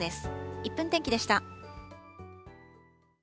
１分天気でした。